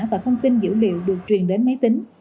và thông tin dữ liệu được truyền đến máy tính